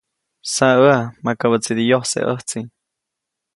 Saʼäʼa, makabäʼtside yojseʼ ʼäjtsi.